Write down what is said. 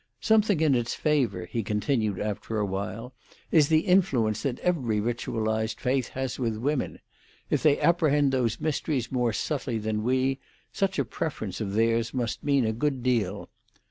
"Something in its favour," he continued, after a while, "is the influence that every ritualised faith has with women. If they apprehend those mysteries more subtly than we, such a preference of theirs must mean a good deal.